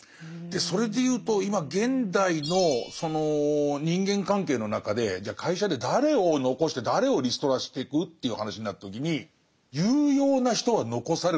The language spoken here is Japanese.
それで言うと今現代のその人間関係の中でじゃあ会社で誰を残して誰をリストラしてく？という話になった時に有用な人は残されると思うんですよ。